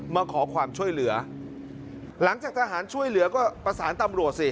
มาขอความช่วยเหลือหลังจากทหารช่วยเหลือก็ประสานตำรวจสิ